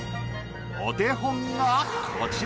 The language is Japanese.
お手本がこちら！